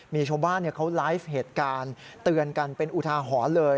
มีชาวบ้านเขาไลฟ์เหตุการณ์เตือนกันเป็นอุทาหรณ์เลย